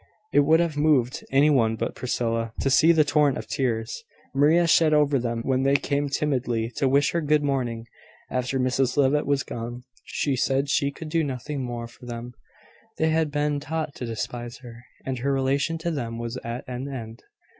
It would have moved any one but Priscilla to see the torrent of tears Maria shed over them, when they came timidly to wish her good morning, after Mrs Levitt was gone. She said she could do nothing more for them: they had been taught to despise her, and her relation to them was at an end."